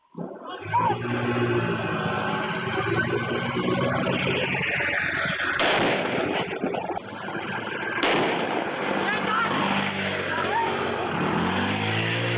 ตอนนี้มันจำเปิดหลายอย่างมากเนี้ยใครที่สุดสุดอยู่กับนี้